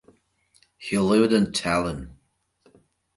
He lived in Tallinn.